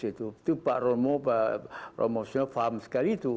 itu pak romo pak romo sjok paham sekali itu